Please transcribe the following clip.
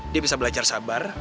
dia bisa belajar sabar